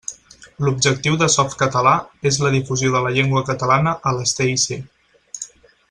L'objectiu de Softcatalà és la difusió de la llengua catalana a les TIC.